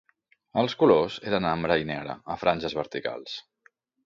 Els colors eren ambre i negre a franges verticals.